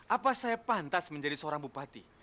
apa saya pantas menjadi seorang bupati